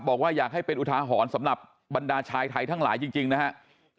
บอกว่าอยากให้เป็นอุทาหรณ์สำหรับบรรดาชายไทยทั้งหลายจริงนะครับ